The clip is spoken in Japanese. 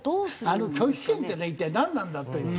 あの拒否権っていうのは一体なんなんだという。